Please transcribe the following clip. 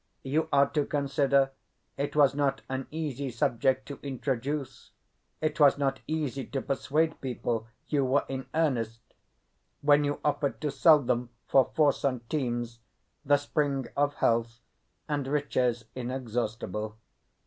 You are to consider it was not an easy subject to introduce; it was not easy to persuade people you were in earnest, when you offered to sell them for four centimes the spring of health and riches inexhaustible.